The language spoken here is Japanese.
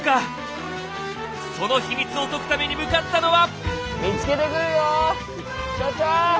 その秘密を解くために向かったのは。